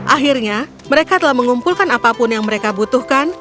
akhirnya mereka telah mengumpulkan apapun yang mereka butuhkan